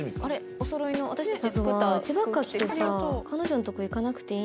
おそろいの私たち作った服。